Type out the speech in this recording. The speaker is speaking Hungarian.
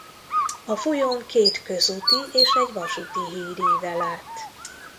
A folyón két közúti és egy vasúti híd ível át.